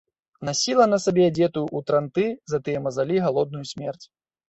Насіла на сабе адзетую ў транты за тыя мазалі галодную смерць.